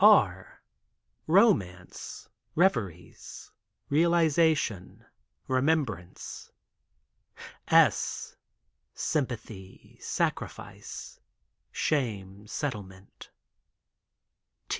R — Romance — Reveries — Realization — Remembrance. S — Sympathy — Sacrifice — Shame — Settlement.